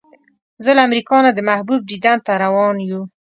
زه له امریکا نه د محبوب دیدن ته روان یو.